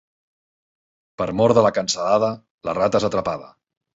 Per mor de la cansalada, la rata és atrapada.